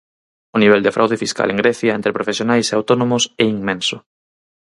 O nivel de fraude fiscal en Grecia entre profesionais e autónomos é inmenso.